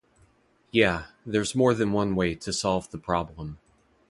Yeah, there's more than one way to solve the problem.